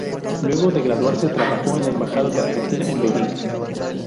Luego de graduarse trabajó en la Embajada de Argentina en Beijing.